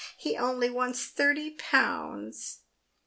He only wants thirty pounds."